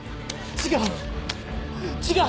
違う！